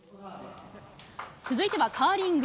続いてはカーリング。